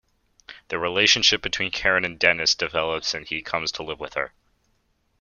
The relationship between Karen and Denys develops and he comes to live with her.